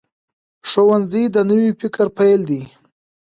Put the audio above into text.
ښوونځی د نوي فکر پیل دی